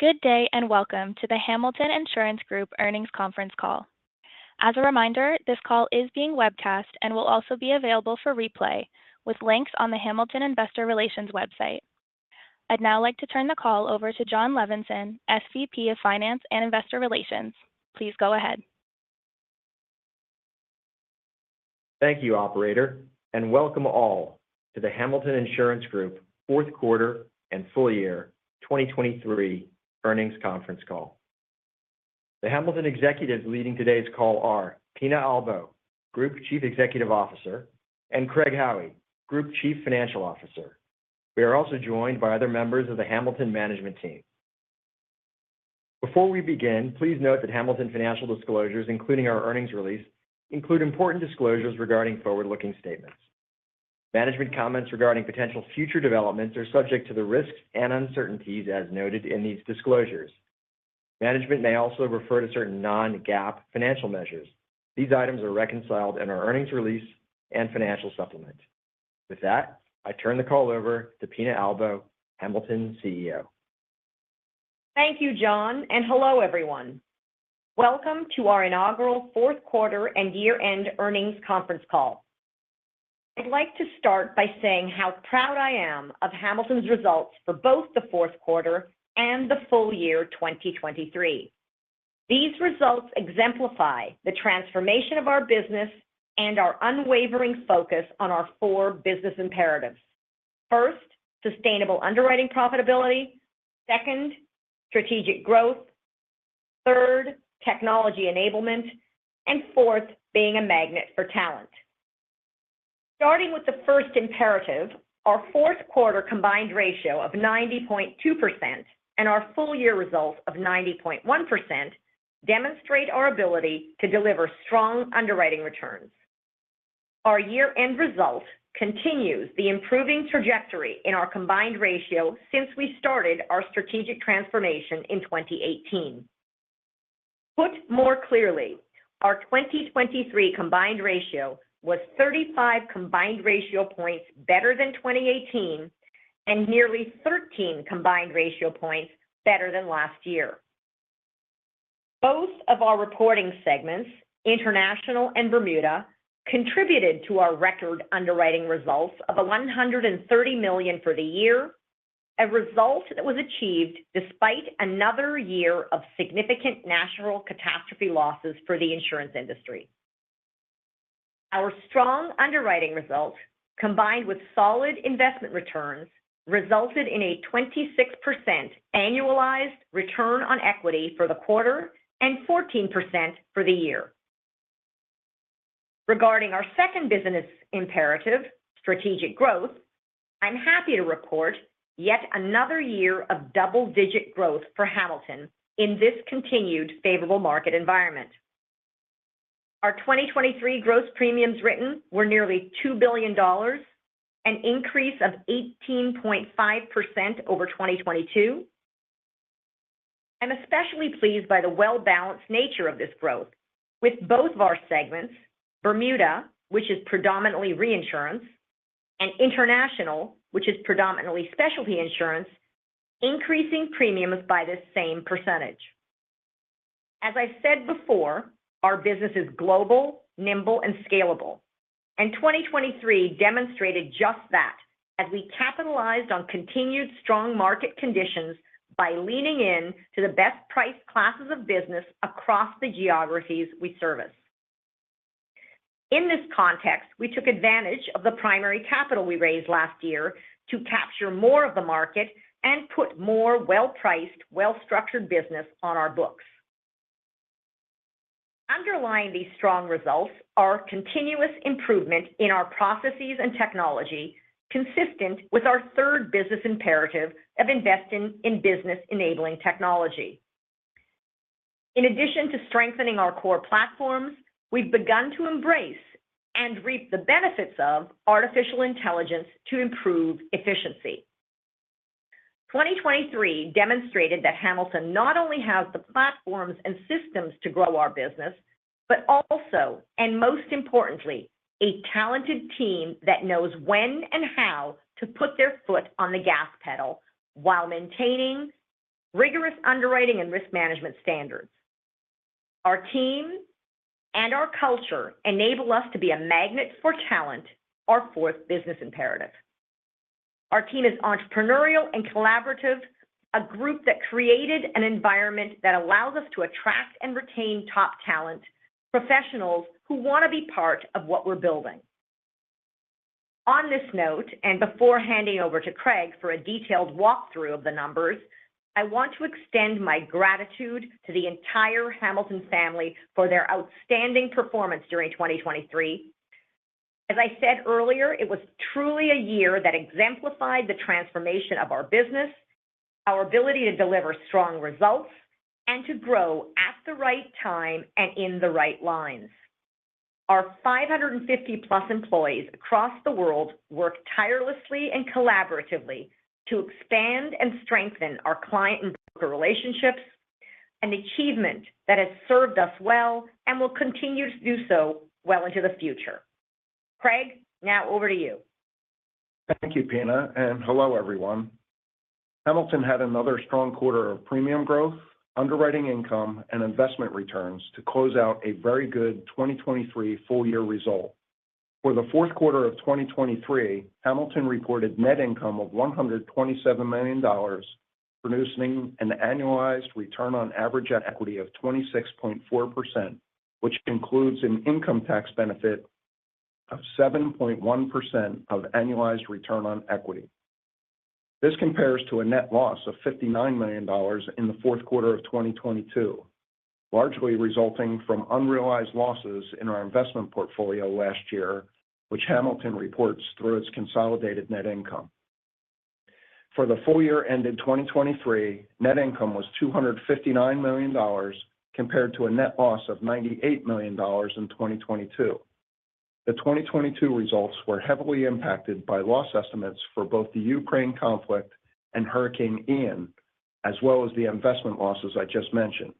Good day, and welcome to the Hamilton Insurance Group Earnings Conference Call. As a reminder, this call is being webcast and will also be available for replay with links on the Hamilton Investor Relations website. I'd now like to turn the call over to Jon Levenson, SVP of Finance and Investor Relations. Please go ahead. Thank you, operator, and welcome all to the Hamilton Insurance Group Q4 and full year 2023 earnings conference call. The Hamilton executives leading today's call are Pina Albo, Group Chief Executive Officer, and Craig Howie, Group Chief Financial Officer. We are also joined by other members of the Hamilton management team. Before we begin, please note that Hamilton financial disclosures, including our earnings release, include important disclosures regarding forward-looking statements. Management comments regarding potential future developments are subject to the risks and uncertainties as noted in these disclosures. Management may also refer to certain non-GAAP financial measures. These items are reconciled in our earnings release and financial supplement. With that, I turn the call over to Pina Albo, Hamilton's CEO. Thank you, Jon, and hello, everyone. Welcome to our inaugural Q4 and year-end earnings conference call. I'd like to start by saying how proud I am of Hamilton's results for both the Q4 and the full year 2023. These results exemplify the transformation of our business and our unwavering focus on our four business imperatives. First, sustainable underwriting profitability; second, strategic growth; third, technology enablement; and fourth, being a magnet for talent. Starting with the first imperative, our Q4 combined ratio of 90.2% and our full-year results of 90.1% demonstrate our ability to deliver strong underwriting returns. Our year-end result continues the improving trajectory in our combined ratio since we started our strategic transformation in 2018. Put more clearly, our 2023 combined ratio was 35 combined ratio points better than 2018 and nearly 13 combined ratio points better than last year. Both of our reporting segments, International and Bermuda, contributed to our record underwriting results of $130 million for the year, a result that was achieved despite another year of significant natural catastrophe losses for the insurance industry. Our strong underwriting results, combined with solid investment returns, resulted in a 26% annualized return on equity for the quarter and 14% for the year. Regarding our second business imperative, strategic growth, I'm happy to report yet another year of double-digit growth for Hamilton in this continued favorable market environment. Our 2023 gross premiums written were nearly $2 billion, an increase of 18.5% over 2022. I'm especially pleased by the well-balanced nature of this growth with both of our segments, Bermuda, which is predominantly reinsurance, and International, which is predominantly specialty insurance, increasing premiums by the same percentage. As I've said before, our business is global, nimble and scalable, and 2023 demonstrated just that as we capitalized on continued strong market conditions by leaning in to the best-priced classes of business across the geographies we service. In this context, we took advantage of the primary capital we raised last year to capture more of the market and put more well-priced, well-structured business on our books. Underlying these strong results are continuous improvement in our processes and technology, consistent with our third business imperative of investing in business-enabling technology. In addition to strengthening our core platforms, we've begun to embrace and reap the benefits of artificial intelligence to improve efficiency. 2023 demonstrated that Hamilton not only has the platforms and systems to grow our business, but also, and most importantly, a talented team that knows when and how to put their foot on the gas pedal while maintaining rigorous underwriting and risk management standards. Our team and our culture enable us to be a magnet for talent, our fourth business imperative. Our team is entrepreneurial and collaborative, a group that created an environment that allows us to attract and retain top talent, professionals who want to be part of what we're building. On this note, and before handing over to Craig for a detailed walkthrough of the numbers, I want to extend my gratitude to the entire Hamilton family for their outstanding performance during 2023. As I said earlier, it was truly a year that exemplified the transformation of our business, our ability to deliver strong results and to grow at the right time and in the right lines. Our 550+ employees across the world work tirelessly and collaboratively to expand and strengthen our client and broker relationships, an achievement that has served us well and will continue to do so well into the future. Craig, now over to you. Thank you, Pina, and hello, everyone. Hamilton had another strong quarter of premium growth, underwriting income, and investment returns to close out a very good 2023 full year result. For the Q4 of 2023, Hamilton reported net income of $127 million, producing an annualized return on average equity of 26.4%, which includes an income tax benefit of 7.1% of annualized return on equity. This compares to a net loss of $59 million in the Q4 of 2022, largely resulting from unrealized losses in our investment portfolio last year, which Hamilton reports through its consolidated net income. For the full year ended 2023, net income was $259 million, compared to a net loss of $98 million in 2022. The 2022 results were heavily impacted by loss estimates for both the Ukraine conflict and Hurricane Ian, as well as the investment losses I just mentioned.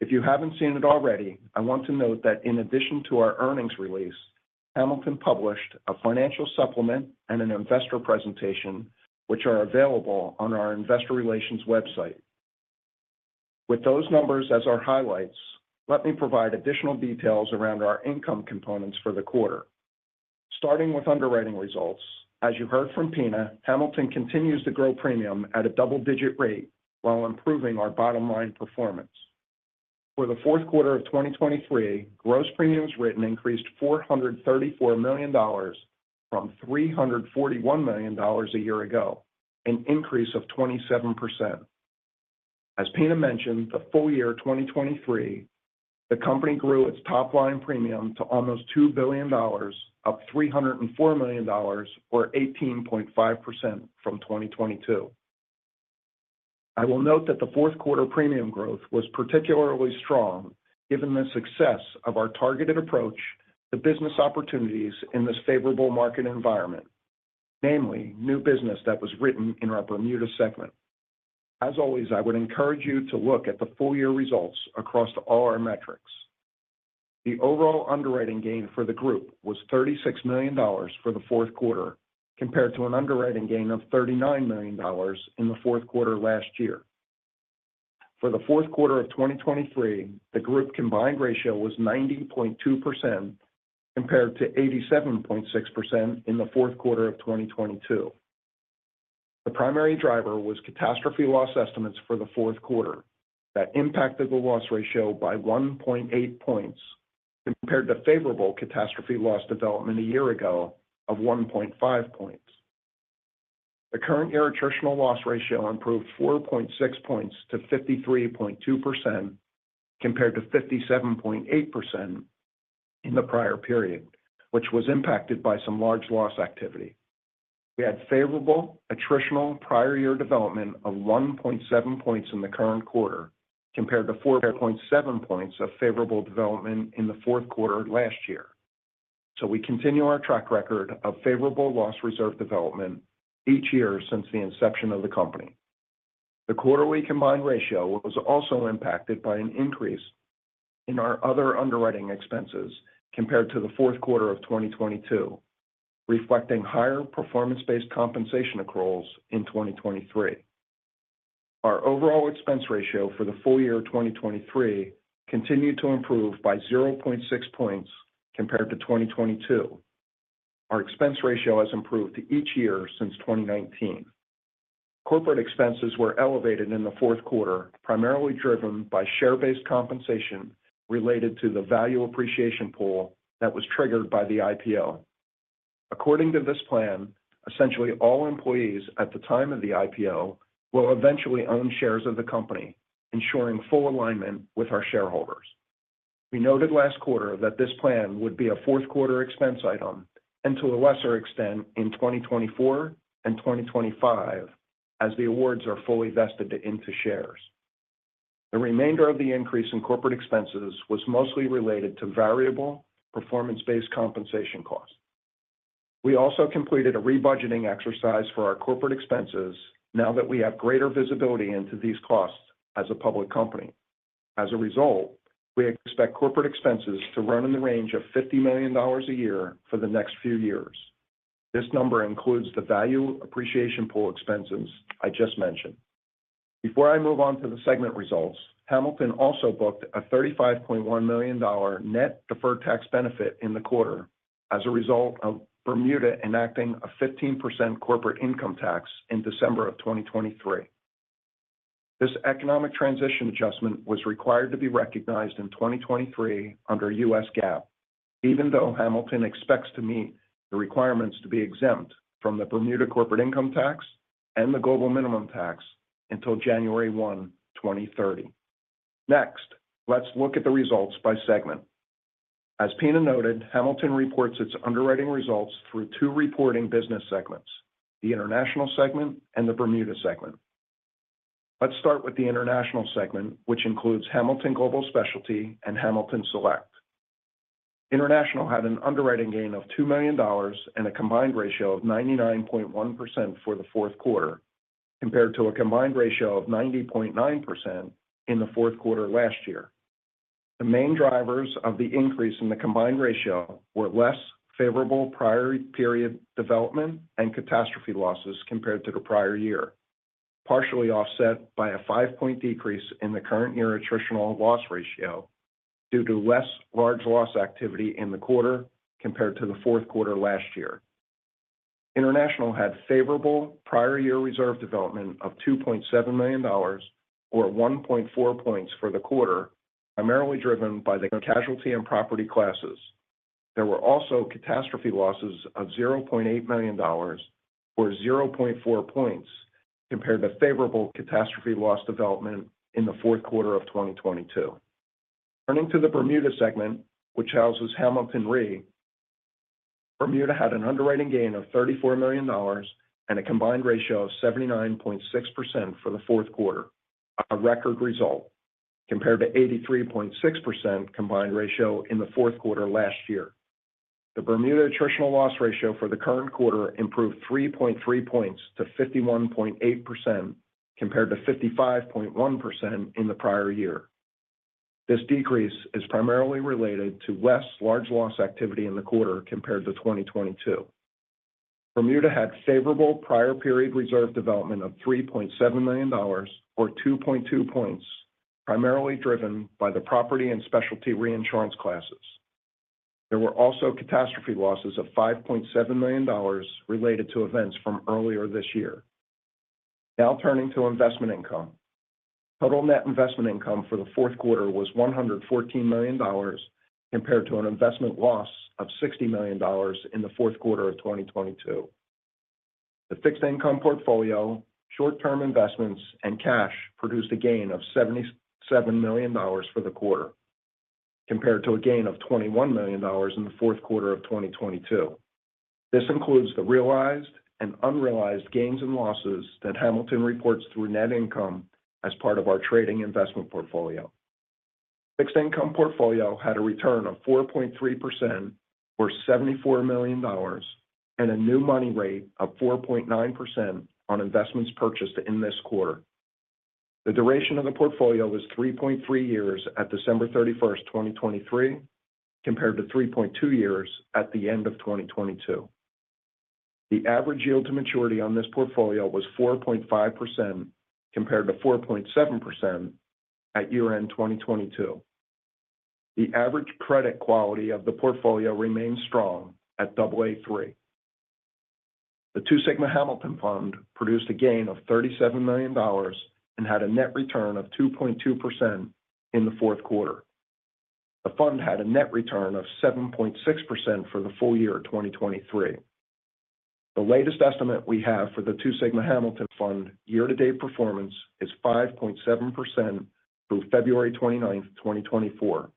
If you haven't seen it already, I want to note that in addition to our earnings release, Hamilton published a financial supplement and an investor presentation, which are available on our investor relations website. With those numbers as our highlights, let me provide additional details around our income components for the quarter. Starting with underwriting results, as you heard from Pina, Hamilton continues to grow premium at a double-digit rate while improving our bottom line performance. For the Q4 of 2023, gross premiums written increased $434 million from $341 million a year ago, an increase of 27%. As Pina mentioned, the full year 2023, the company grew its top line premium to almost $2 billion, up $304 million or 18.5% from 2022. I will note that the Q4 premium growth was particularly strong, given the success of our targeted approach to business opportunities in this favorable market environment, namely, new business that was written in our Bermuda segment. As always, I would encourage you to look at the full year results across all our metrics. The overall underwriting gain for the group was $36 million for the Q4, compared to an underwriting gain of $39 million in the Q4 last year. For the Q4 of 2023, the group combined ratio was 90.2%, compared to 87.6% in the Q4 of 2022. The primary driver was catastrophe loss estimates for the Q4. That impacted the loss ratio by 1.8 points, compared to favorable catastrophe loss development a year ago of 1.5 points. The current year attritional loss ratio improved 4.6 points to 53.2%, compared to 57.8% in the prior period, which was impacted by some large loss activity. We had favorable attritional prior year development of 1.7 points in the current quarter, compared to 4.7 points of favorable development in the Q4 last year. So we continue our track record of favorable loss reserve development each year since the inception of the company. The quarterly combined ratio was also impacted by an increase in our other underwriting expenses compared to the Q4 of 2022, reflecting higher performance-based compensation accruals in 2023. Our overall expense ratio for the full year of 2023 continued to improve by 0.6 points compared to 2022. Our expense ratio has improved each year since 2019. Corporate expenses were elevated in the Q4, primarily driven by share-based compensation related to the Value Appreciation Pool that was triggered by the IPO. According to this plan, essentially all employees at the time of the IPO will eventually own shares of the company, ensuring full alignment with our shareholders. We noted last quarter that this plan would be a Q4 expense item, and to a lesser extent, in 2024 and 2025, as the awards are fully vested into shares. The remainder of the increase in corporate expenses was mostly related to variable performance-based compensation costs. We also completed a rebudgeting exercise for our corporate expenses now that we have greater visibility into these costs as a public company. As a result, we expect corporate expenses to run in the range of $50 million a year for the next few years. This number includes the value appreciation pool expenses I just mentioned. Before I move on to the segment results, Hamilton also booked a $35.1 million net deferred tax benefit in the quarter as a result of Bermuda enacting a 15% corporate income tax in December of 2023. This economic transition adjustment was required to be recognized in 2023 under U.S. GAAP, even though Hamilton expects to meet the requirements to be exempt from the Bermuda corporate income tax and the global minimum tax until January 1, 2030. Next, let's look at the results by segment. As Pina noted, Hamilton reports its underwriting results through two reporting business segments: the International segment and the Bermuda segment. Let's start with the International segment, which includes Hamilton Global Specialty and Hamilton Select. International had an underwriting gain of $2 million and a combined ratio of 99.1% for the Q4, compared to a combined ratio of 90.9% in the Q4 last year. The main drivers of the increase in the combined ratio were less favorable prior period development and catastrophe losses compared to the prior year, partially offset by a 5 point decrease in the current year attritional loss ratio due to less large loss activity in the quarter compared to the Q4 last year. International had favorable prior year reserve development of $2.7 million, or 1.4 points for the quarter, primarily driven by the casualty and property classes. There were also catastrophe losses of $0.8 million, or 0.4 points, compared to favorable catastrophe loss development in the Q4 of 2022. Turning to the Bermuda segment, which houses Hamilton Re, Bermuda had an underwriting gain of $34 million and a combined ratio of 79.6% for the Q4, a record result, compared to 83.6% combined ratio in the Q4 last year. The Bermuda attritional loss ratio for the current quarter improved 3.3 points to 51.8%, compared to 55.1% in the prior year. This decrease is primarily related to less large loss activity in the quarter compared to 2022. Bermuda had favorable prior period reserve development of $3.7 million, or 2.2 points, primarily driven by the property and specialty reinsurance classes. There were also catastrophe losses of $5.7 million related to events from earlier this year. Now turning to investment income. Total net investment income for the Q4 was $114 million, compared to an investment loss of $60 million in the Q4 of 2022. The fixed income portfolio, short-term investments, and cash produced a gain of $77 million for the quarter, compared to a gain of $21 million in the Q4 of 2022. This includes the realized and unrealized gains and losses that Hamilton reports through net income as part of our trading investment portfolio. Fixed income portfolio had a return of 4.3% or $74 million, and a new money rate of 4.9% on investments purchased in this quarter. The duration of the portfolio was 3.3 years at December 31, 2023, compared to 3.2 years at the end of 2022. The average yield to maturity on this portfolio was 4.5%, compared to 4.7% at year-end 2022. The average credit quality of the portfolio remains strong at AA3. The Two Sigma Hamilton Fund produced a gain of $37 million and had a net return of 2.2% in the Q4. The fund had a net return of 7.6% for the full year of 2023. The latest estimate we have for the Two Sigma Hamilton Fund year-to-date performance is 5.7% through February 29, 2024.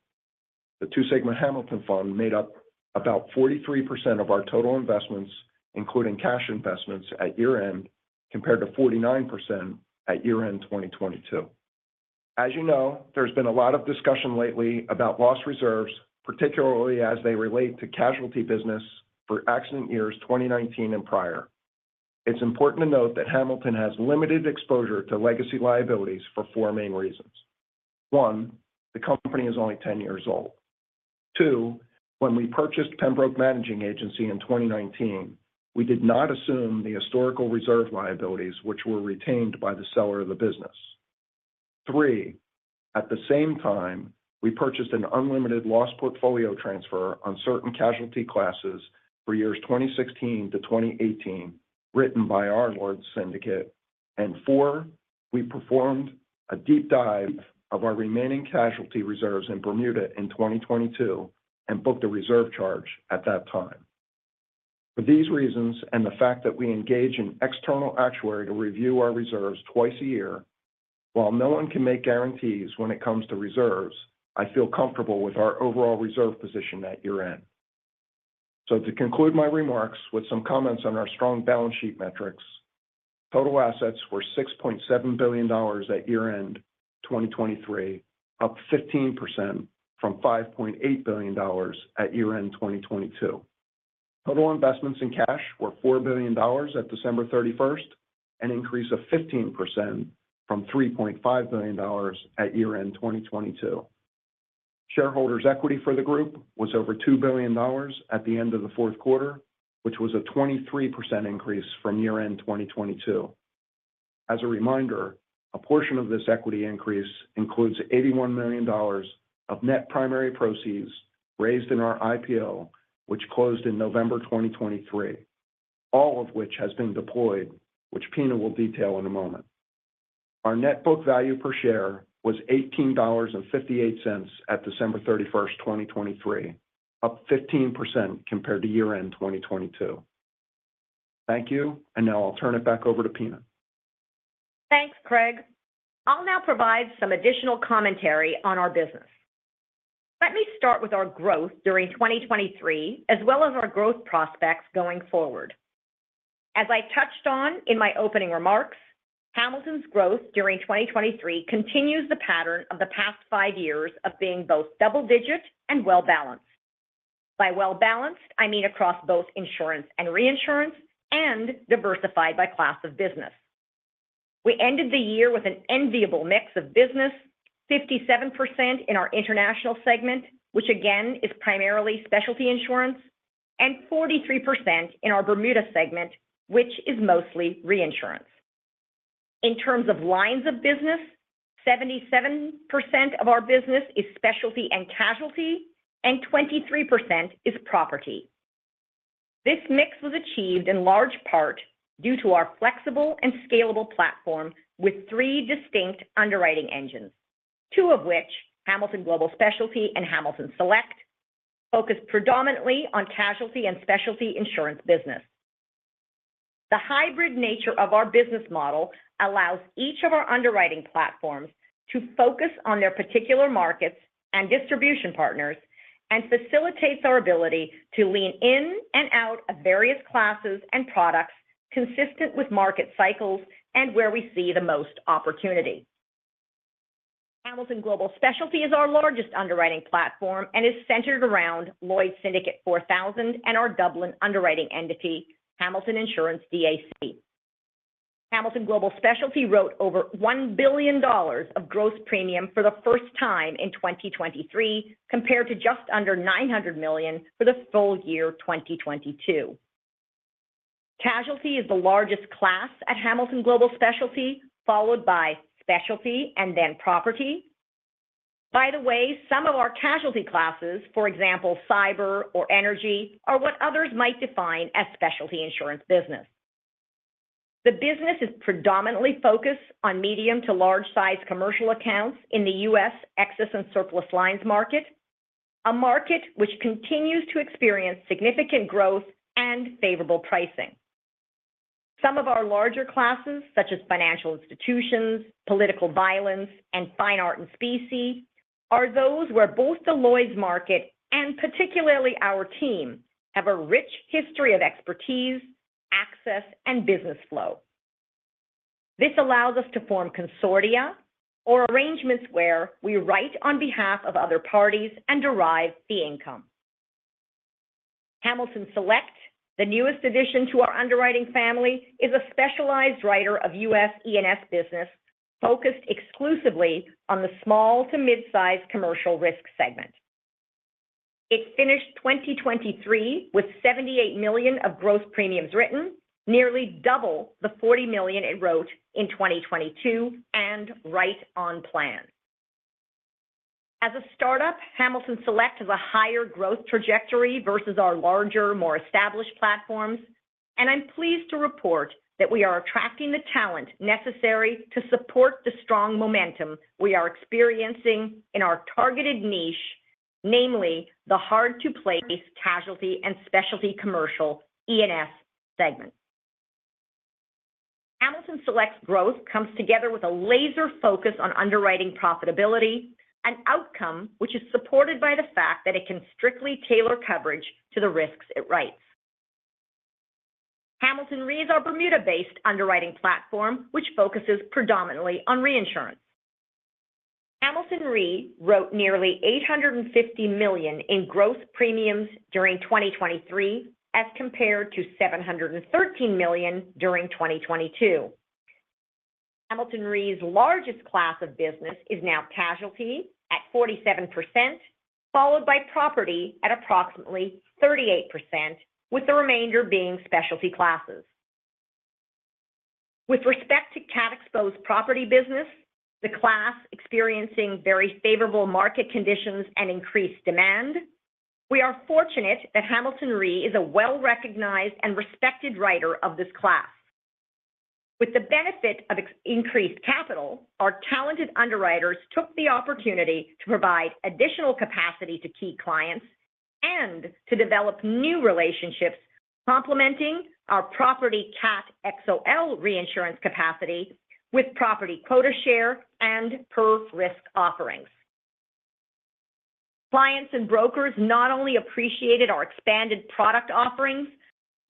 The Two Sigma Hamilton Fund made up about 43% of our total investments, including cash investments at year-end, compared to 49% at year-end 2022. As you know, there's been a lot of discussion lately about loss reserves, particularly as they relate to casualty business for accident years 2019 and prior. It's important to note that Hamilton has limited exposure to legacy liabilities for four main reasons. One, the company is only 10 years old. Two, when we purchased Pembroke Managing Agency in 2019, we did not assume the historical reserve liabilities, which were retained by the seller of the business. Three, at the same time, we purchased an unlimited loss portfolio transfer on certain casualty classes for years 2016 to 2018, written by our Lloyd's Syndicate. And four, we performed a deep dive of our remaining casualty reserves in Bermuda in 2022 and booked a reserve charge at that time. For these reasons, and the fact that we engage an external actuary to review our reserves twice a year, while no one can make guarantees when it comes to reserves, I feel comfortable with our overall reserve position at year-end. So to conclude my remarks with some comments on our strong balance sheet metrics, total assets were $6.7 billion at year-end 2023, up 15% from $5.8 billion at year-end 2022. Total investments in cash were $4 billion at December 31, an increase of 15% from $3.5 billion at year-end 2022. Shareholders' equity for the group was over $2 billion at the end of the Q4, which was a 23% increase from year-end 2022. As a reminder, a portion of this equity increase includes $81 million of net primary proceeds raised in our IPO, which closed in November 2023, all of which has been deployed, which Pina will detail in a moment. Our net book value per share was $18.58 at December 31, 2023, up 15% compared to year-end 2022. Thank you, and now I'll turn it back over to Pina. Thanks, Craig. I'll now provide some additional commentary on our business. Let me start with our growth during 2023, as well as our growth prospects going forward. As I touched on in my opening remarks, Hamilton's growth during 2023 continues the pattern of the past 5 years of being both double-digit and well-balanced. By well-balanced, I mean across both insurance and reinsurance, and diversified by class of business. We ended the year with an enviable mix of business, 57% in our international segment, which again, is primarily specialty insurance, and 43% in our Bermuda segment, which is mostly reinsurance. In terms of lines of business, 77% of our business is specialty and casualty, and 23% is property. This mix was achieved in large part due to our flexible and scalable platform with three distinct underwriting engines, two of which, Hamilton Global Specialty and Hamilton Select, focus predominantly on casualty and specialty insurance business. The hybrid nature of our business model allows each of our underwriting platforms to focus on their particular markets and distribution partners, and facilitates our ability to lean in and out of various classes and products consistent with market cycles and where we see the most opportunity. Hamilton Global Specialty is our largest underwriting platform and is centered around Lloyd's Syndicate 4000 and our Dublin underwriting entity, Hamilton Insurance DAC. Hamilton Global Specialty wrote over $1 billion of gross premium for the first time in 2023, compared to just under $900 million for the full year 2022. Casualty is the largest class at Hamilton Global Specialty, followed by specialty and then property. By the way, some of our casualty classes, for example, cyber or energy, are what others might define as specialty insurance business. The business is predominantly focused on medium to large-size commercial accounts in the U.S. excess and surplus lines market, a market which continues to experience significant growth and favorable pricing. Some of our larger classes, such as financial institutions, political violence, and fine art and specie, are those where both the Lloyd's market and particularly our team, have a rich history of expertise, access, and business flow. This allows us to form consortia or arrangements where we write on behalf of other parties and derive the income. Hamilton Select, the newest addition to our underwriting family, is a specialized writer of US E&S business focused exclusively on the small to mid-size commercial risk segment. It finished 2023 with $78 million of gross premiums written, nearly double the $40 million it wrote in 2022, and right on plan. As a startup, Hamilton Select has a higher growth trajectory versus our larger, more established platforms, and I'm pleased to report that we are attracting the talent necessary to support the strong momentum we are experiencing in our targeted niche, namely the hard-to-place casualty and specialty commercial E&S segment. Hamilton Select's growth comes together with a laser focus on underwriting profitability, an outcome which is supported by the fact that it can strictly tailor coverage to the risks it writes. Hamilton Re is our Bermuda-based underwriting platform, which focuses predominantly on reinsurance. Hamilton Re wrote nearly $850 million in gross premiums during 2023, as compared to $713 million during 2022. Hamilton Re's largest class of business is now casualty at 47%, followed by property at approximately 38%, with the remainder being specialty classes. With respect to cat exposed property business, the class experiencing very favorable market conditions and increased demand, we are fortunate that Hamilton Re is a well-recognized and respected writer of this class. With the benefit of increased capital, our talented underwriters took the opportunity to provide additional capacity to key clients and to develop new relationships, complementing our property cat XOL reinsurance capacity with property quota share and per risk offerings. Clients and brokers not only appreciated our expanded product offerings,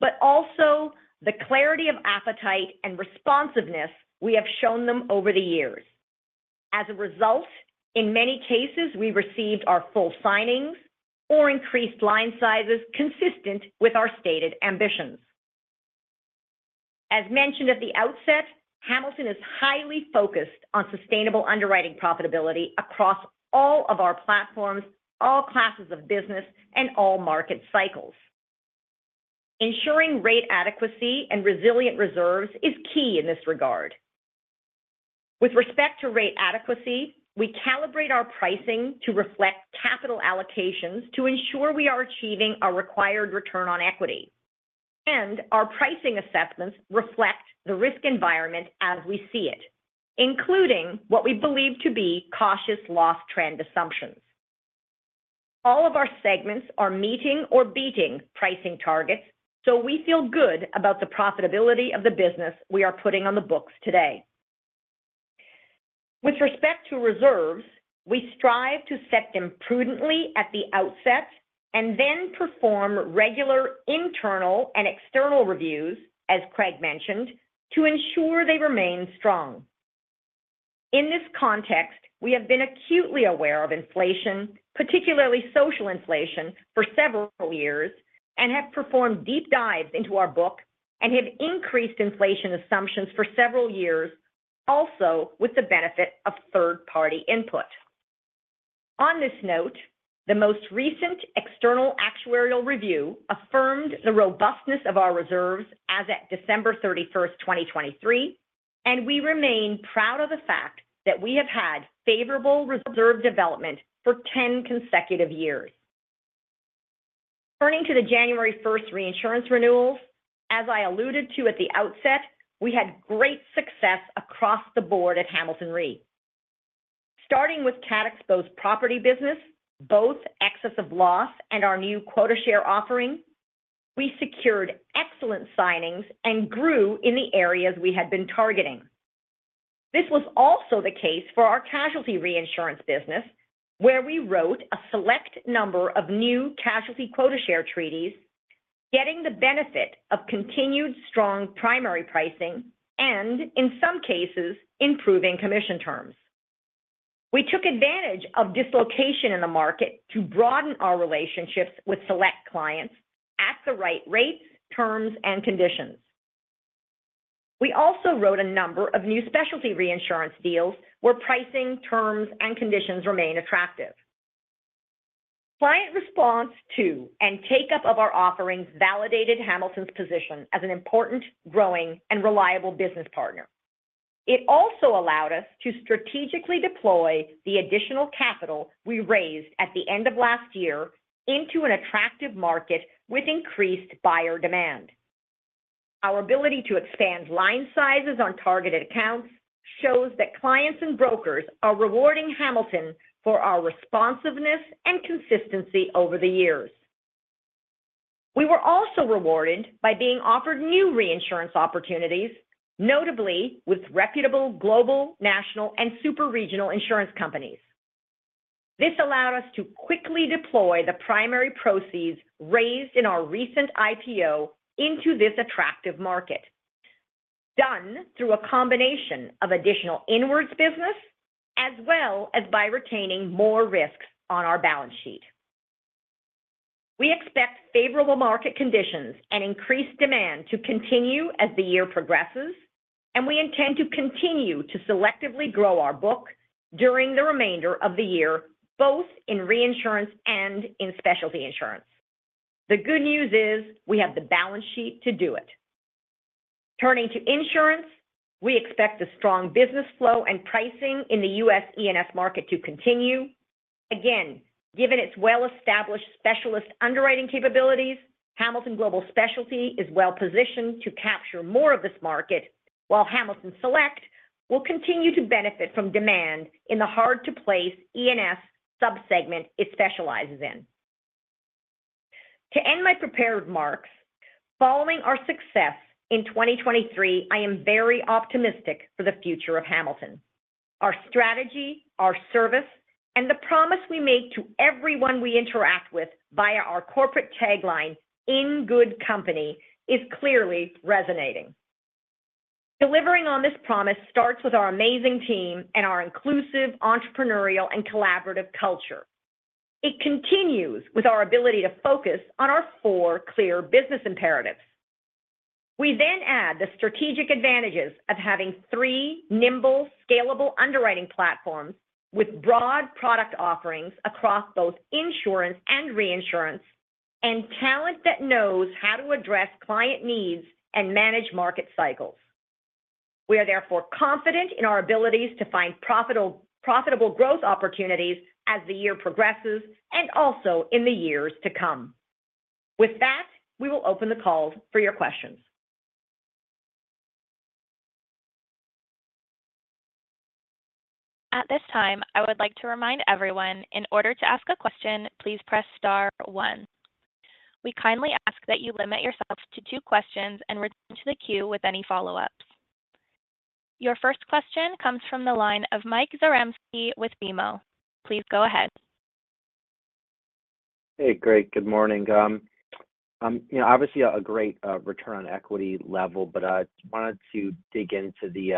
but also the clarity of appetite and responsiveness we have shown them over the years. As a result, in many cases, we received our full signings or increased line sizes consistent with our stated ambitions. As mentioned at the outset, Hamilton is highly focused on sustainable underwriting profitability across all of our platforms, all classes of business, and all market cycles. Ensuring rate adequacy and resilient reserves is key in this regard. With respect to rate adequacy, we calibrate our pricing to reflect capital allocations to ensure we are achieving our required return on equity, and our pricing assessments reflect the risk environment as we see it, including what we believe to be cautious loss trend assumptions. All of our segments are meeting or beating pricing targets, so we feel good about the profitability of the business we are putting on the books today. With respect to reserves, we strive to set them prudently at the outset and then perform regular internal and external reviews, as Craig mentioned, to ensure they remain strong. In this context, we have been acutely aware of inflation, particularly social inflation, for several years, and have performed deep dives into our book and have increased inflation assumptions for several years, also with the benefit of third-party input. On this note, the most recent external actuarial review affirmed the robustness of our reserves as at December 31, 2023, and we remain proud of the fact that we have had favorable reserve development for 10 consecutive years. Turning to the January 1 reinsurance renewals, as I alluded to at the outset, we had great success across the board at Hamilton Re. Starting with cat exposed property business, both excess of loss and our new quota share offering, we secured excellent signings and grew in the areas we had been targeting. This was also the case for our casualty reinsurance business, where we wrote a select number of new casualty quota share treaties, getting the benefit of continued strong primary pricing and, in some cases, improving commission terms. We took advantage of dislocation in the market to broaden our relationships with select clients at the right rates, terms, and conditions. We also wrote a number of new specialty reinsurance deals, where pricing, terms, and conditions remain attractive. Client response to and take-up of our offerings validated Hamilton's position as an important, growing, and reliable business partner. It also allowed us to strategically deploy the additional capital we raised at the end of last year into an attractive market with increased buyer demand. Our ability to expand line sizes on targeted accounts shows that clients and brokers are rewarding Hamilton for our responsiveness and consistency over the years. We were also rewarded by being offered new reinsurance opportunities, notably with reputable global, national, and super-regional insurance companies. This allowed us to quickly deploy the primary proceeds raised in our recent IPO into this attractive market, done through a combination of additional inwards business, as well as by retaining more risks on our balance sheet. We expect favorable market conditions and increased demand to continue as the year progresses, and we intend to continue to selectively grow our book during the remainder of the year, both in reinsurance and in specialty insurance. The good news is we have the balance sheet to do it. Turning to insurance, we expect the strong business flow and pricing in the US E&S market to continue. Again, given its well-established specialist underwriting capabilities, Hamilton Global Specialty is well positioned to capture more of this market, while Hamilton Select will continue to benefit from demand in the hard-to-place E&S subsegment it specializes in. To end my prepared remarks, following our success in 2023, I am very optimistic for the future of Hamilton. Our strategy, our service, and the promise we make to everyone we interact with via our corporate tagline, "In good company," is clearly resonating. Delivering on this promise starts with our amazing team and our inclusive, entrepreneurial, and collaborative culture. It continues with our ability to focus on our four clear business imperatives. We then add the strategic advantages of having three nimble, scalable underwriting platforms with broad product offerings across both insurance and reinsurance, and talent that knows how to address client needs and manage market cycles. We are therefore confident in our abilities to find profitable, profitable growth opportunities as the year progresses and also in the years to come. With that, we will open the call for your questions. At this time, I would like to remind everyone, in order to ask a question, please press star one. We kindly ask that you limit yourselves to two questions and return to the queue with any follow-ups. Your first question comes from the line of Mike Zaremski with BMO. Please go ahead. Hey, great. Good morning. You know, obviously a great return on equity level, but I just wanted to dig into the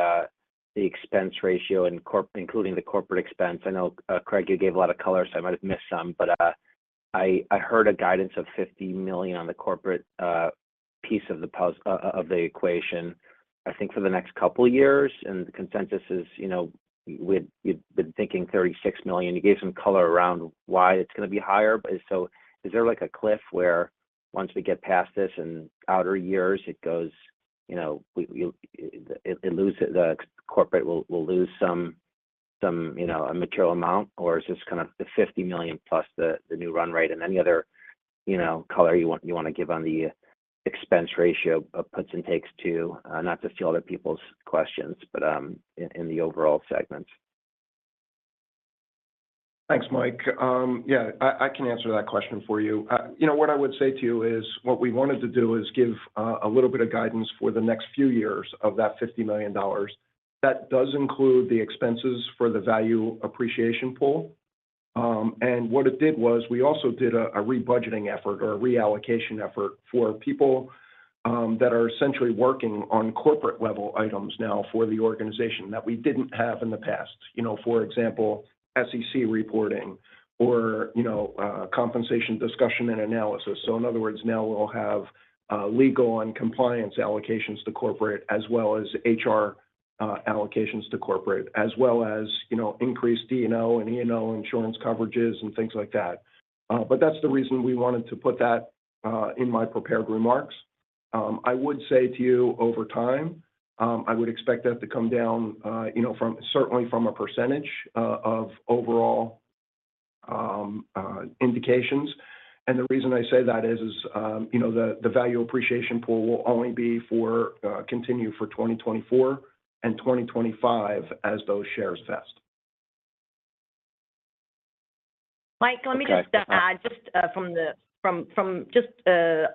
expense ratio and including the corporate expense. I know, Craig, you gave a lot of color, so I might have missed some, but I heard a guidance of $50 million on the corporate piece of the equation, I think, for the next couple of years, and the consensus is, you know, we've been thinking $36 million. You gave some color around why it's going to be higher, but so is there like a cliff where once we get past this in outer years, it goes, you know, the corporate will lose some, you know, a material amount, or is this kind of the $50 million plus the new run rate and any other, you know, color you want to give on the expense ratio of puts and takes to not steal other people's questions, but in the overall segments? Thanks, Mike. Yeah, I can answer that question for you. You know, what I would say to you is, what we wanted to do is give a little bit of guidance for the next few years of that $50 million. That does include the expenses for the Value Appreciation Pool. And what it did was we also did a rebudgeting effort or a reallocation effort for people that are essentially working on corporate level items now for the organization that we didn't have in the past. You know, for example, SEC reporting or, you know, compensation, discussion, and analysis. So in other words, now we'll have legal and compliance allocations to corporate, as well as HR allocations to corporate, as well as, you know, increased D&O and E&O insurance coverages and things like that. But that's the reason we wanted to put that in my prepared remarks. I would say to you, over time, I would expect that to come down, you know, from certainly from a percentage of overall indications. And the reason I say that is, you know, the Value Appreciation Pool will only continue for 2024 and 2025 as those shares vest. Mike, let me just add, from just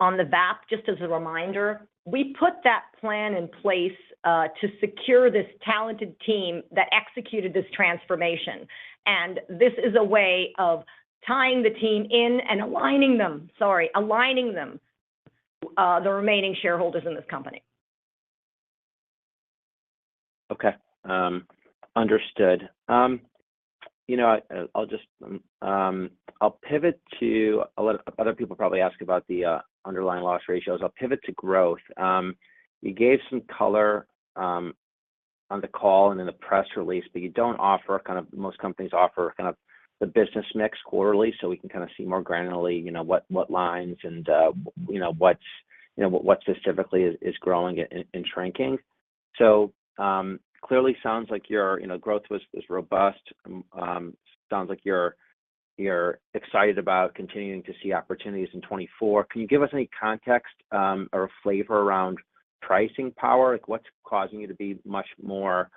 on the VAP, just as a reminder, we put that plan in place to secure this talented team that executed this transformation, and this is a way of tying the team in and aligning them, sorry, aligning them, the remaining shareholders in this company. Okay. Understood. You know, I'll just pivot to a lot of other people probably ask about the underlying loss ratios. I'll pivot to growth. You gave some color on the call and in the press release, but you don't offer kind of, most companies offer kind of the business mix quarterly, so we can kind of see more granularly, you know, what lines and, you know, what's specifically growing and shrinking. So, clearly sounds like your growth was robust. Sounds like you're excited about continuing to see opportunities in 2024. Can you give us any context or flavor around pricing power? Like, what's causing you to be much more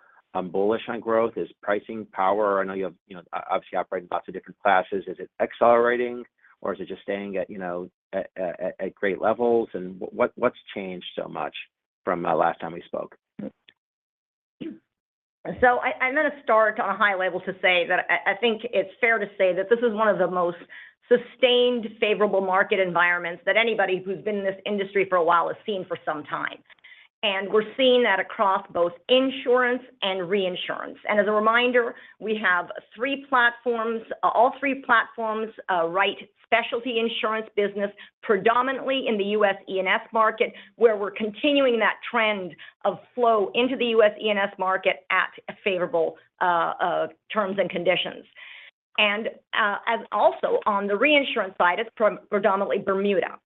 bullish on growth? Is it pricing power? I know you have, you know, obviously operate in lots of different classes. Is it accelerating, or is it just staying at, you know, great levels? And what's changed so much from the last time we spoke? So I, I'm going to start on a high level to say that I, I think it's fair to say that this is one of the most sustained favorable market environments that anybody who's been in this industry for a while has seen for some time. And we're seeing that across both insurance and reinsurance. And as a reminder, we have three platforms. All three platforms write specialty insurance business, predominantly in the US E&S market, where we're continuing that trend of flow into the US E&S market at a favorable terms and conditions. And, as also on the reinsurance side, it's from predominantly Bermuda.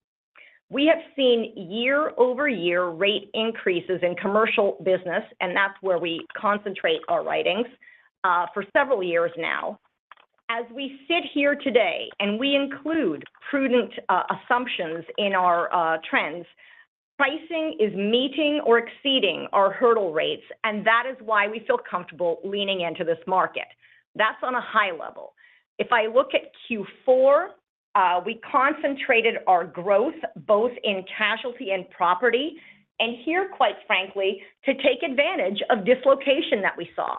We have seen year-over-year rate increases in commercial business, and that's where we concentrate our writings for several years now. As we sit here today, and we include prudent assumptions in our trends, pricing is meeting or exceeding our hurdle rates, and that is why we feel comfortable leaning into this market. That's on a high level. If I look at Q4, we concentrated our growth both in casualty and property, and here, quite frankly, to take advantage of dislocation that we saw.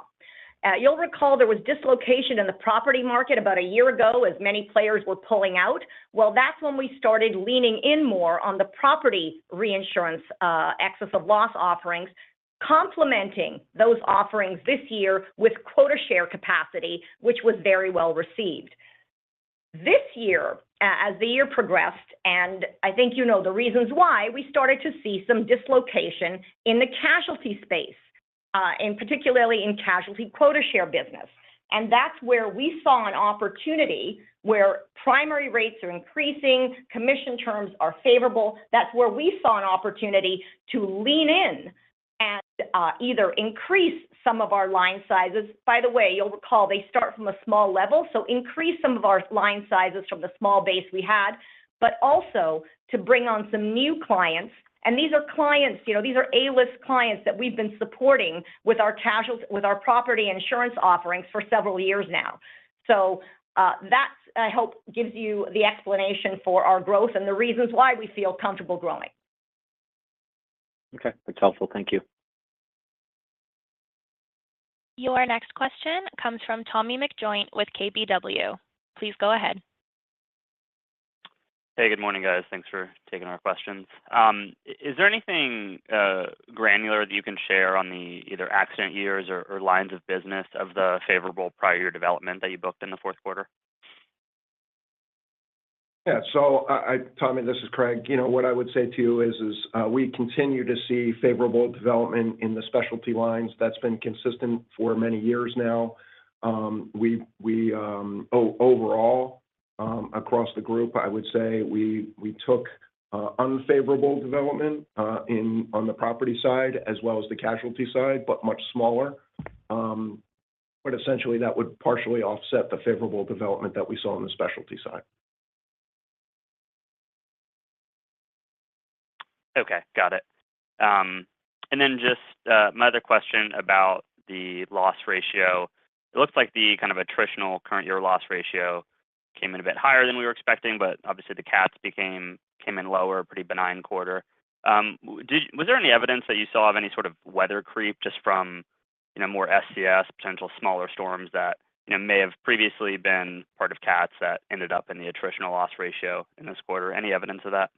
You'll recall there was dislocation in the property market about a year ago, as many players were pulling out. Well, that's when we started leaning in more on the property reinsurance, excess of loss offerings, complementing those offerings this year with quota share capacity, which was very well received. This year, as the year progressed, and I think you know the reasons why, we started to see some dislocation in the casualty space, and particularly in casualty quota share business. That's where we saw an opportunity where primary rates are increasing, commission terms are favorable. That's where we saw an opportunity to lean in and either increase some of our line sizes. By the way, you'll recall they start from a small level, so increase some of our line sizes from the small base we had, but also to bring on some new clients. And these are clients, you know, these are A-list clients that we've been supporting with our property insurance offerings for several years now. So, that, I hope, gives you the explanation for our growth and the reasons why we feel comfortable growing. Okay. That's helpful. Thank you. Your next question comes from Tommy McJoynt with KBW. Please go ahead. Hey, good morning, guys. Thanks for taking our questions. Is there anything granular that you can share on the either accident years or lines of business of the favorable prior year development that you booked in the Q4? Yeah. So Tommy, this is Craig. You know, what I would say to you is we continue to see favorable development in the specialty lines. That's been consistent for many years now. Overall, across the group, I would say we took unfavorable development in on the property side as well as the casualty side, but much smaller. But essentially, that would partially offset the favorable development that we saw on the specialty side. Okay. Got it. And then just, my other question about the loss ratio. It looks like the kind of attritional current year loss ratio came in a bit higher than we were expecting, but obviously, the cats came in lower, pretty benign quarter. Was there any evidence that you saw of any sort of weather creep just from, you know, more SCS, potential smaller storms that, you know, may have previously been part of cats that ended up in the attritional loss ratio in this quarter? Any evidence of that?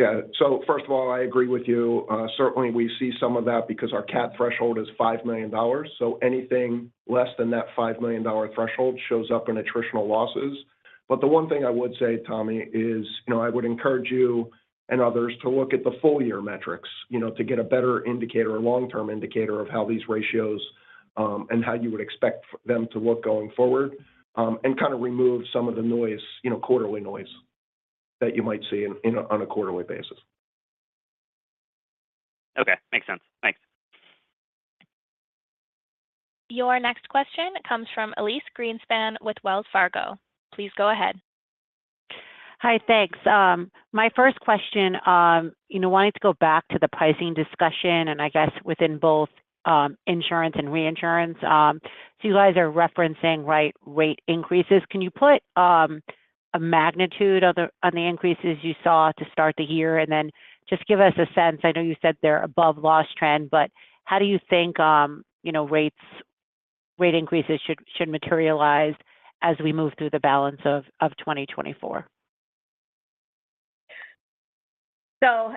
Yeah. So first of all, I agree with you. Certainly, we see some of that because our cat threshold is $5 million, so anything less than that $5 million threshold shows up in attritional losses. But the one thing I would say, Tommy, is, you know, I would encourage you and others to look at the full year metrics, you know, to get a better indicator, a long-term indicator of how these ratios, and how you would expect them to look going forward, and kind of remove some of the noise, you know, quarterly noise, that you might see on a quarterly basis. Okay. Makes sense. Thanks. Your next question comes from Elyse Greenspan with Wells Fargo. Please go ahead. Hi, thanks. My first question, you know, wanting to go back to the pricing discussion, and I guess within both insurance and reinsurance, so you guys are referencing, right, rate increases. Can you put a magnitude on the increases you saw to start the year? And then just give us a sense. I know you said they're above loss trend, but how do you think, you know, rate increases should materialize as we move through the balance of 2024?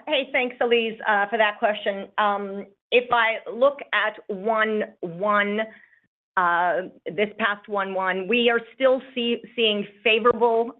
Hey, thanks, Elyse, for that question. If I look at Q1, this past Q1, we are still seeing favorable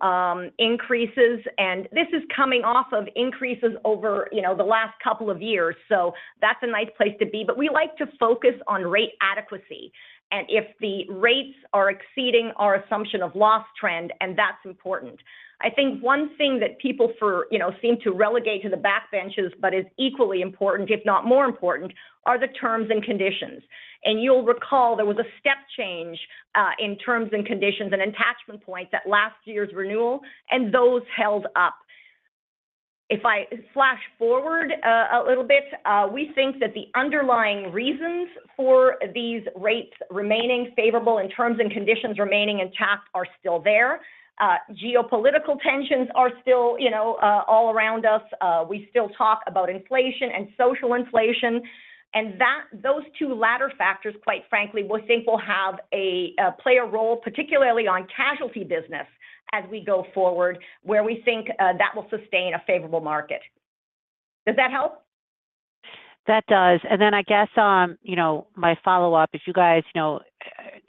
increases, and this is coming off of increases over, you know, the last couple of years, so that's a nice place to be. But we like to focus on rate adequacy, and if the rates are exceeding our assumption of loss trend, and that's important. I think one thing that people, you know, seem to relegate to the back benches but is equally important, if not more important, are the terms and conditions. And you'll recall there was a step change in terms and conditions, an attachment point, that last year's renewal, and those held up. If I flash forward, a little bit, we think that the underlying reasons for these rates remaining favorable in terms and conditions remaining intact are still there. Geopolitical tensions are still, you know, all around us. We still talk about inflation and social inflation, and those two latter factors, quite frankly, we think will have a play a role, particularly on casualty business as we go forward, where we think that will sustain a favorable market. Does that help? That does. And then I guess, you know, my follow-up, if you guys, you know,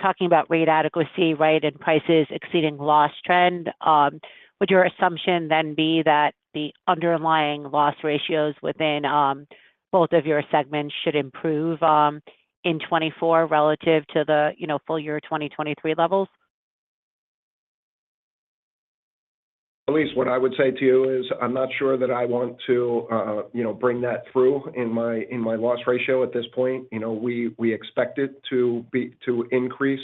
talking about rate adequacy, right, and prices exceeding loss trend, would your assumption then be that the underlying loss ratios within, both of your segments should improve, in 2024 relative to the, you know, full year 2023 levels? Elyse, what I would say to you is, I'm not sure that I want to, you know, bring that through in my, in my loss ratio at this point. You know, we expect it to be to increase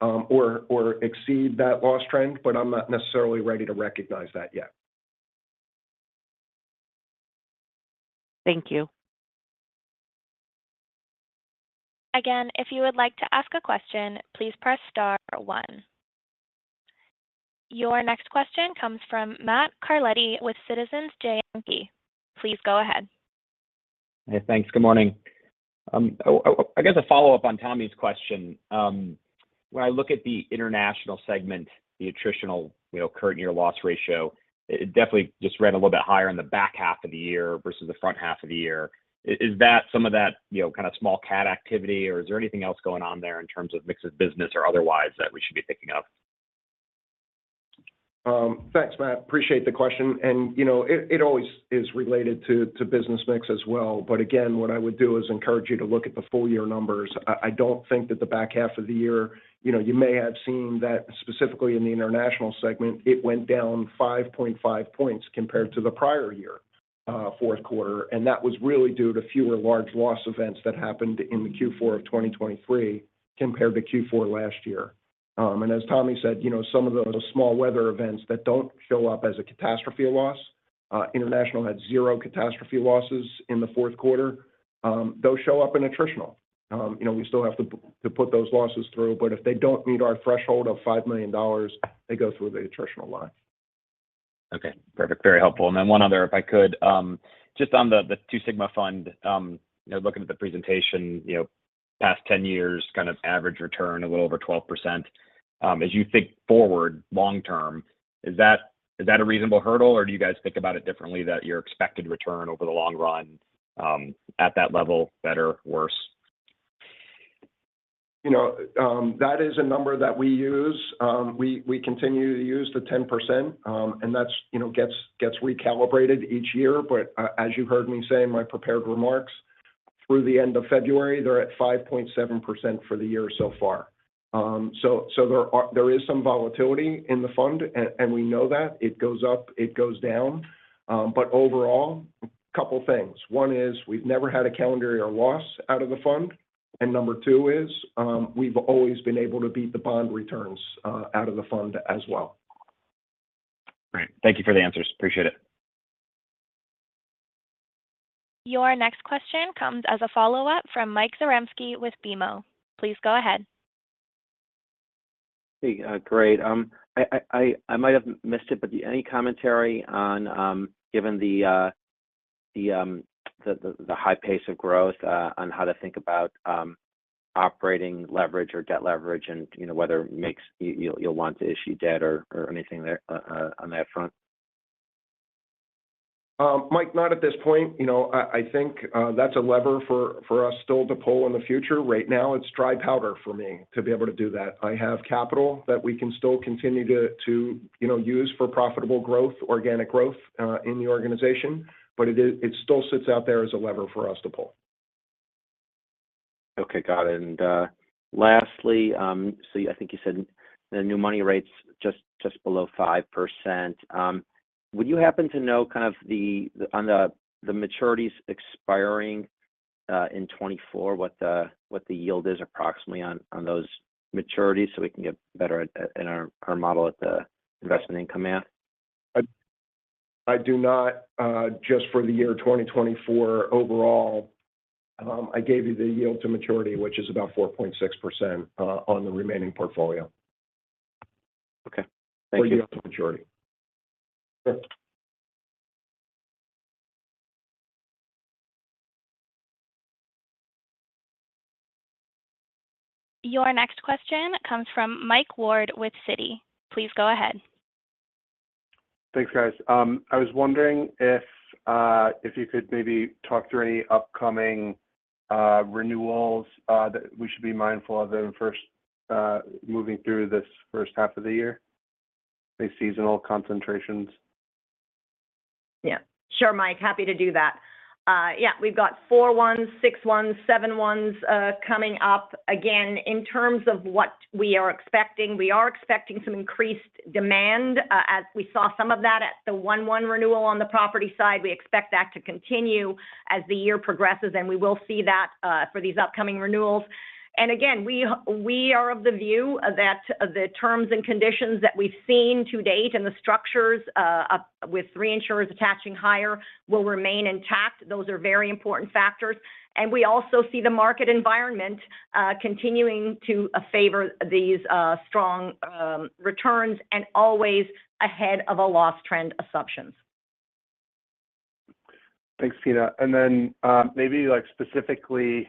or exceed that loss trend, but I'm not necessarily ready to recognize that yet. Thank you. Again, if you would like to ask a question, please press star one. Your next question comes from Matt Carletti with Citizens JMP. Please go ahead. Hey, thanks. Good morning. I guess a follow-up on Tommy's question. When I look at the international segment, the attritional, you know, current year loss ratio, it definitely just ran a little bit higher in the back half of the year versus the front half of the year. Is that some of that, you know, kind of small cat activity, or is there anything else going on there in terms of mix of business or otherwise that we should be picking up? Thanks, Matt. Appreciate the question, and, you know, it always is related to business mix as well. But again, what I would do is encourage you to look at the full year numbers. I don't think that the back half of the year. You know, you may have seen that specifically in the international segment, it went down 5.5 points compared to the prior year, Q4, and that was really due to fewer large loss events that happened in the Q4 of 2023 compared to Q4 last year. And as Tommy said, you know, some of those small weather events that don't show up as a catastrophe loss, international had zero catastrophe losses in the Q4. Those show up in attritional. You know, we still have to put those losses through, but if they don't meet our threshold of $5 million, they go through the attritional line. Okay, perfect. Very helpful. And then one other, if I could, just on the Two Sigma Fund, you know, looking at the presentation, you know, past 10 years, kind of average return, a little over 12%. As you think forward long term, is that a reasonable hurdle, or do you guys think about it differently that your expected return over the long run, at that level, better, worse? You know, that is a number that we use. We continue to use the 10%, and that's, you know, gets, gets recalibrated each year. But, as you heard me say in my prepared remarks, through the end of February, they're at 5.7% for the year so far. So there is some volatility in the fund, and we know that. It goes up, it goes down. But overall, a couple of things. One is we've never had a calendar or loss out of the fund, and number two is, we've always been able to beat the bond returns, out of the fund as well. Great. Thank you for the answers. Appreciate it. Your next question comes as a follow-up from Mike Zaremski with BMO. Please go ahead. Hey, great. I might have missed it, but any commentary on, given the high pace of growth, on how to think about operating leverage or debt leverage and, you know, whether it makes you want to issue debt or anything there on that front? Mike, not at this point. You know, I think that's a lever for us still to pull in the future. Right now, it's dry powder for me to be able to do that. I have capital that we can still continue to you know, use for profitable growth, organic growth, in the organization, but it is. It still sits out there as a lever for us to pull. Okay, got it. Lastly, I think you said the new money rates just below 5%. Would you happen to know kind of the maturities expiring in 2024, what the yield is approximately on those maturities, so we can get better in our model at the investment income end? I do not. Just for the year 2024 overall, I gave you the yield to maturity, which is about 4.6%, on the remaining portfolio. Okay. Thank you. For yield to maturity. Sure. Your next question comes from Mike Ward with Citi. Please go ahead. Thanks, guys. I was wondering if you could maybe talk through any upcoming renewals that we should be mindful of in first moving through this first half of the year, any seasonal concentrations? Yeah. Sure, Mike. Happy to do that. Yeah, we've got 4/1s, 6/1s, 7/1s coming up. Again, in terms of what we are expecting, we are expecting some increased demand as we saw some of that at the 1/1 renewal on the property side. We expect that to continue as the year progresses, and we will see that for these upcoming renewals. And again, we are of the view that the terms and conditions that we've seen to date and the structures with three insurers attaching higher will remain intact. Those are very important factors. And we also see the market environment continuing to favor these strong returns and always ahead of a loss trend assumptions. Thanks, Tina. Then, maybe like specifically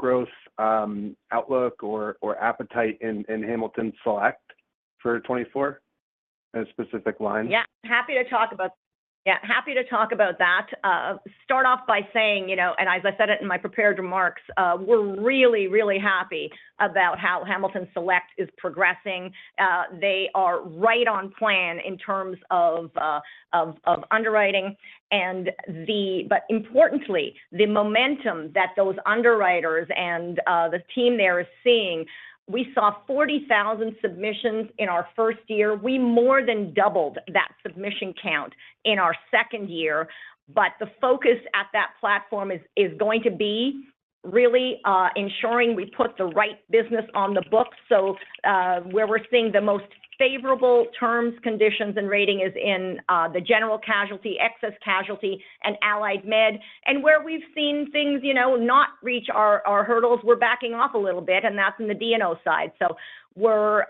the growth outlook or appetite in Hamilton Select for 2024, any specific lines? Yeah, happy to talk about. Yeah, happy to talk about that. Start off by saying, you know, and as I said it in my prepared remarks, we're really, really happy about how Hamilton Select is progressing. They are right on plan in terms of underwriting and the, but importantly, the momentum that those underwriters and the team there is seeing, we saw 40,000 submissions in our first year. We more than doubled that submission count in our second year, but the focus at that platform is going to be really ensuring we put the right business on the book. So, where we're seeing the most favorable terms, conditions, and rating is in the general casualty, excess casualty, and Allied Med. Where we've seen things, you know, not reach our hurdles, we're backing off a little bit, and that's in the DNO side. We're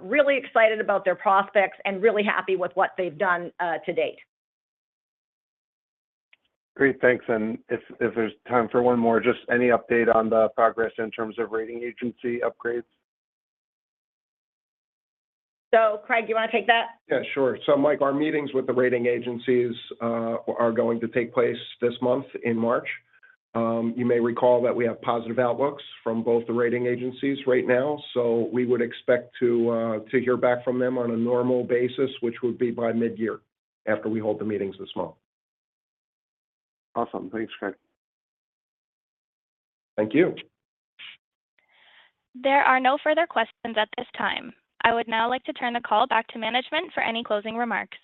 really excited about their prospects and really happy with what they've done to date. Great, thanks. If there's time for one more, just any update on the progress in terms of rating agency upgrades? So, Craig, you want to take that? Yeah, sure. So Mike, our meetings with the rating agencies are going to take place this month, in March. You may recall that we have positive outlooks from both the rating agencies right now, so we would expect to hear back from them on a normal basis, which would be by mid-year, after we hold the meetings this month. Awesome. Thanks, Craig. Thank you. There are no further questions at this time. I would now like to turn the call back to management for any closing remarks.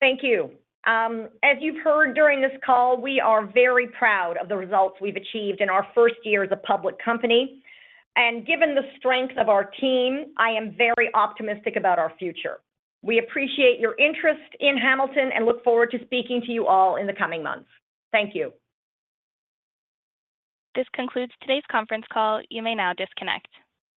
Thank you. As you've heard during this call, we are very proud of the results we've achieved in our first year as a public company, and given the strength of our team, I am very optimistic about our future. We appreciate your interest in Hamilton and look forward to speaking to you all in the coming months. Thank you. This concludes today's conference call. You may now disconnect.